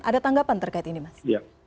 ada tanggapan terkait ini mas